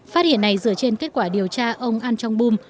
phát hiện này dựa trên kết quả điều tra ông an chong bum